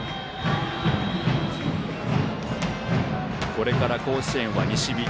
これから甲子園は西日。